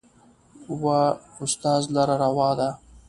و استاد لره روا ده